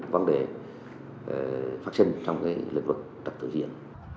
vấn đề phát sinh trong lĩnh vực trật tự diễn